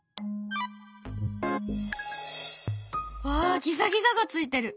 わあギザギザがついてる！